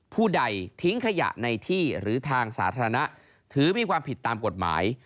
ผู้ใดทิ้งขยะในที่หรือทางสาธารณะถือมีความผิดตามกฎหมาย